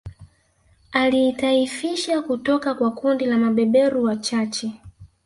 Aliitaifisha kutoka kwa kundi la mabeberu wachache